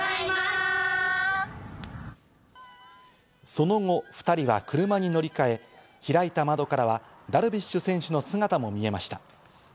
その後、２人は車に乗り換え、開いた窓からはダルビッシュ選手の姿も見えました。